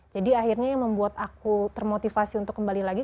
akhirnya yang membuat aku termotivasi untuk kembali lagi